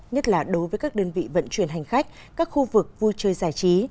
nhất là đối với các đơn vị vận chuyển hành khách các khu vực vui chơi giải trí